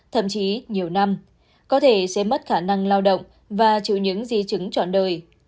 thậm chí nhiều năm có thể sẽ mất khả năng lao động và chịu những di chứng trọn đời